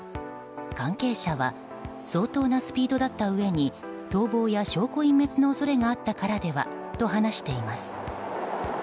関係者は相当なスピードだったうえに逃亡や証拠隠滅の恐れがあったからではと話しています。